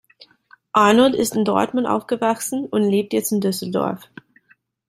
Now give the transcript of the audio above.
Arnold ist in Dortmund aufgewachsen und lebt jetzt in Düsseldorf.